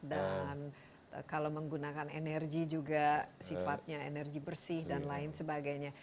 dan kalau menggunakan energi juga sifatnya energi bersih dan lain sebagainya